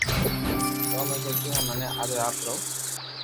تو ۾ سوچيو ڪي مني آج رات رو ھي